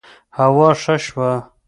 هوا ښه شوه